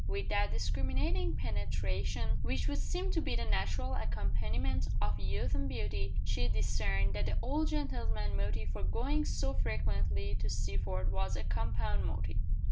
With that discriminating penetration which would seem to be the natural accompaniment of youth and beauty, she discerned that the old gentleman's motive for going so frequently to Sealford was a compound motive.